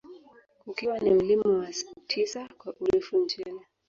Ukiwa ni mlima wa tisa kwa urefu nchini